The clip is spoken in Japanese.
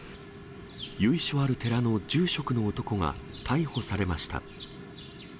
由緒ある寺の住職の男が逮捕されました。